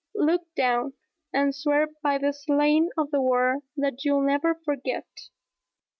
_... Look down, and swear by the slain of the War that you'll never forget.